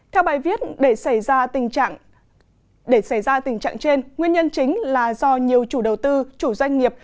theo bài viết để xảy ra tình trạng trên nguyên nhân chính là do nhiều chủ đầu tư chủ doanh nghiệp